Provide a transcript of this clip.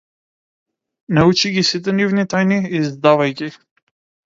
Научи ги сите нивни тајни и издавај ги.